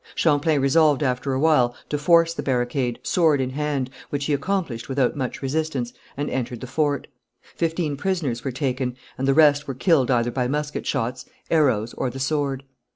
Champlain resolved after a while to force the barricade, sword in hand, which he accomplished without much resistance, and entered the fort. Fifteen prisoners were taken, and the rest were killed either by musket shots, arrows, or the sword.